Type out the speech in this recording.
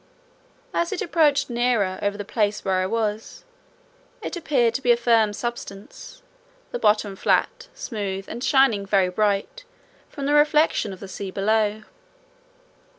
As it approached nearer over the place where I was, it appeared to be a firm substance, the bottom flat, smooth, and shining very bright, from the reflection of the sea below.